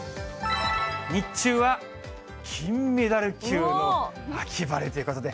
日中は金メダル級の秋晴れということで。